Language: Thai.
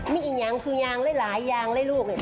มีอีกอย่างสุยางหลายอย่างเลยลูก